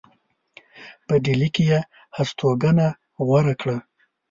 په ډهلي کې یې هستوګنه غوره کړه.